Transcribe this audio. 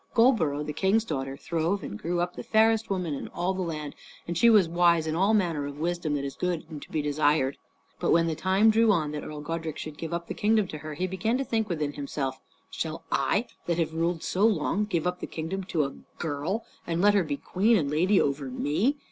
Goldborough, the King's daughter, throve and grew up the fairest woman in all the land, and she was wise in all manner of wisdom that is good and to be desired. But when the time drew on that Earl Godrich should give up the kingdom to her, he began to think within himself "Shall I, that have ruled so long, give up the kingdom to a girl, and let her be queen and lady over me?